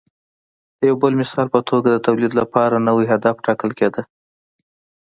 د یو بل مثال په توګه د تولید لپاره نوی هدف ټاکل کېده